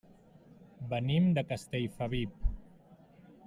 Venim de Castellfabib.